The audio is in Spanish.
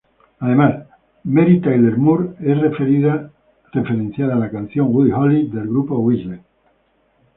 Además, Mary Tyler Moore es referenciada en la canción ""Buddy Holly"" del grupo Weezer.